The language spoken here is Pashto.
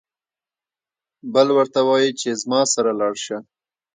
بل ورته وايي چې زما سره لاړ شه.